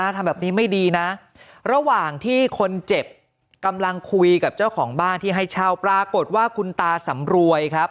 ทำแบบนี้ไม่ดีนะระหว่างที่คนเจ็บกำลังคุยกับเจ้าของบ้านที่ให้เช่าปรากฏว่าคุณตาสำรวยครับ